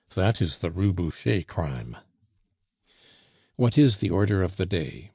"That is the Rue Boucher crime." "What is the order of the day?"